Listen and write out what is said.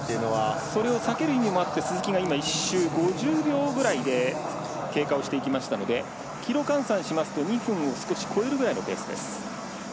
それを避ける意味もあって鈴木が１周５０秒くらいで経過をしていきましたのでキロ換算しますと２分を少し超えるぐらいのペースです。